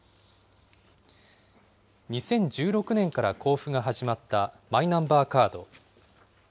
２０１６年から交付が始まったマイナンバーカード。